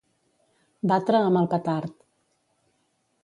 Batre amb el petard.